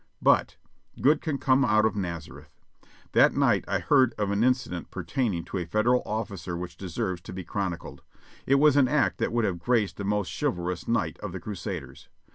But "good can come out of Nazareth !" That night I heard of an incident pertaining to a Federal ofificer which deserves to be chronicled ; it was an act that would have graced the most chivalrous knight of the crusaders.